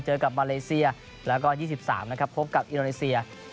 เจอกับมาเลเซียแล้วก็๒๓นะครับพบกับอินโดนีเซีย